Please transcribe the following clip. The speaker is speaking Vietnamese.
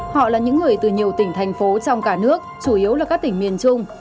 họ là những người từ nhiều tỉnh thành phố trong cả nước chủ yếu là các tỉnh miền trung